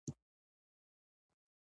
د چا پلوی نه کوم.